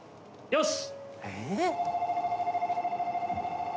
よし。